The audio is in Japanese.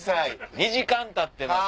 「２時間たってます」。